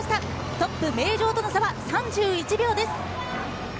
トップ・名城との差は３１秒です。